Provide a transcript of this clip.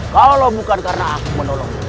kalau bukan karena aku menolong